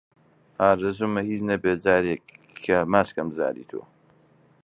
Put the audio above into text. ئارەزوومە هیچ نەبێ جارێکی ماچ کەم زاری تۆ